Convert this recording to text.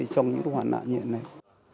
trong những hoàn nạn như hiện nay